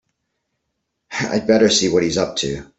I'd better see what he's up to.